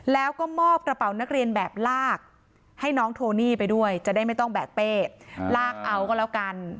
แล้วก็มอบกระเป๋านักเรียนแบบลากให้น้องโทนี่ไปด้วยจะได้ไม่ต้องแบกเป้ลากเอาก็แล้วกัน